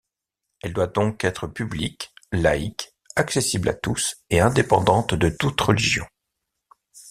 Elle doit donc être publique, laïque, accessible à tous et indépendante de toute religion.